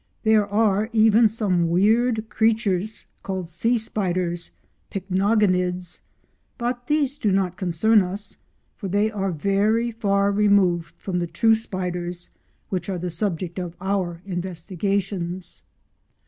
There are even some weird creatures called Sea spiders (Pycnogonids), but these do not concern us, for they are very far removed from the true spiders which are the subject of our investigations.